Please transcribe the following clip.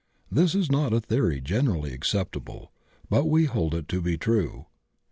This is not a theory generally ac ceptable, but we hold it to be true.